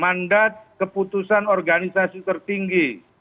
mandat keputusan organisasi tertinggi